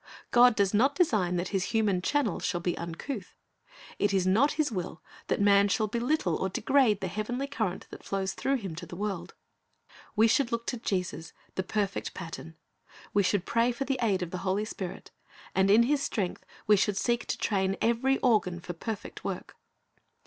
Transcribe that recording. God does not design that His human channels shall be uncouth. It is not His will that man shall belittle or degrade the heavenly current that flows through him to the world. We should look to Jesus, the perfect pattern; we should pray for the aid of the Holy Spirit, and in His strength we should seek to train every organ for perfect work.